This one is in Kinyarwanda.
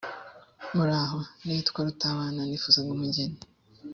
muraho nitwa rutabana nifuzaga umugeni